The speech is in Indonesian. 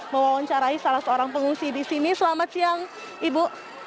mewawancarai salah seorang pengungsi di sini selamat siang ibu